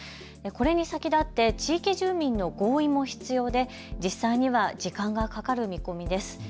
これに先立って地域住民の合意も必要で実際には時間がかかる見込みです。